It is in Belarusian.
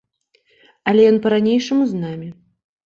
Але ён па-ранейшаму з намі.